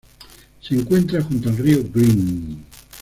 Se encuentra junto al río Green.